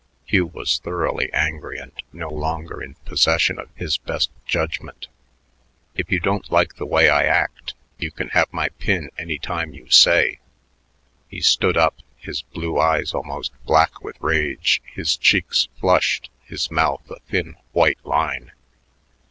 Hugh was thoroughly angry and no longer in possession of his best judgment. "If you don't like the way I act, you can have my pin any time you say." He stood up, his blue eyes almost black with rage, his cheeks flushed, his mouth a thin white line.